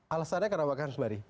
alasannya kenapa pak kharus bari